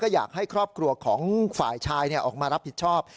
อยากให้ครอบครัวของฝ่ายชายออกมารับผิดชอบ